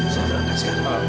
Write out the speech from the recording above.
saya akan tekskan